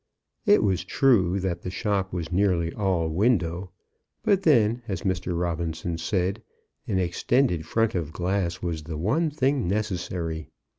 It was true that the shop was nearly all window; but then, as Mr. Robinson said, an extended front of glass was the one thing necessary.